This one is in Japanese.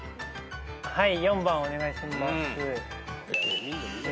はい４番お願いします。え。